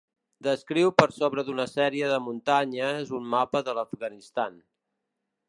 Descriu per sobre d'una sèrie de muntanyes un mapa de l'Afganistan.